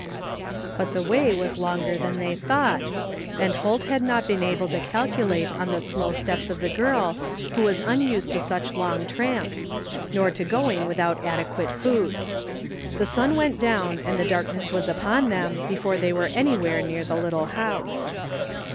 But the way was longer than they thought, and Holt had not been able to calculate on the slow steps of the girl who was unused to such long tramps, nor to going without adequate food. The sun went down and the darkness was upon them before they were any where near the little house.